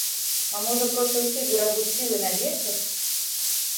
А можа проста ўсе берагуць сілы на вечар?